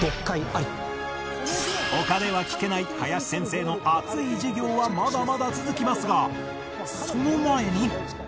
他では聞けない林先生の熱い授業はまだまだ続きますがその前に